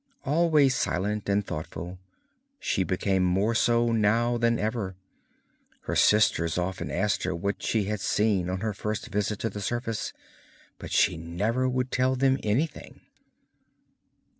Always silent and thoughtful, she became more so now than ever. Her sisters often asked her what she had seen on her first visit to the surface, but she never would tell them anything.